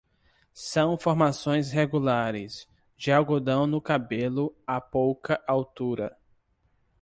São formações regulares, de algodão no cabelo, a pouca altura.